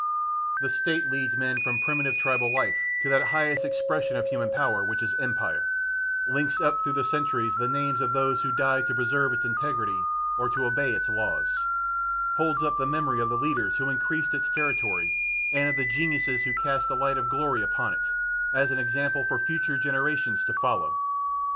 The State leads men from primitive tribal life to that highest expression of human power which is Empire; links up through the centuries the names of those who died to preserve its integrity or to obey its laws; holds up the memory of the leaders who increased its territory, and of the geniuses who cast the light of glory upon it, as an example for future generations to follow.